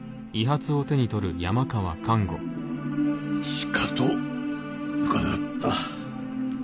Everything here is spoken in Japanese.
しかと伺った。